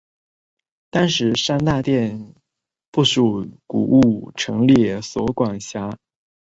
当时三大殿不属古物陈列所管辖。